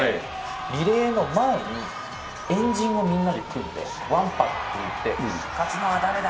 リレーの前に円陣をみんなで組んでワンパっていって「勝つのは誰だ？」